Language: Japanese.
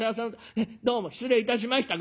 へえどうも失礼いたしました。